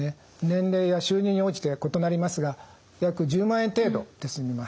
年齢や収入に応じて異なりますが約１０万円程度で済みます。